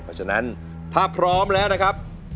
เพราะฉะนั้นถ้าพร้อมแล้วนะครับ